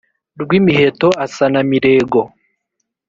rwimiheto asa na mirego.